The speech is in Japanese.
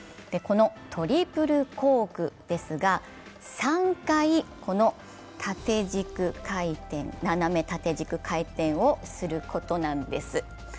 このトリプルコークですが、３回この斜め縦軸回転をすることなんです。